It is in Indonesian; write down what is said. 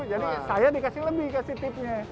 jadi saya dikasih lebih kasih tipnya